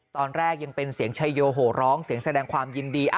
ตอนแรกยังเป็นเสียงชัยโยโหร้องเสียงแสดงความยินดี